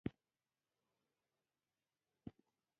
تنور د خټو د هنري جوړښت یوه بېلګه ده